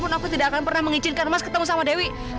halimah aku tidak akan pernah mengizinkan mas ketemu dewi